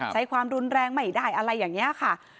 ใช้ความรุนแรงไม่ได้อะไรอย่างนี้ค่ะ